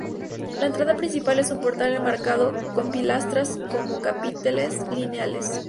La entrada principal es un portal enmarcado por pilastras con capiteles lineales.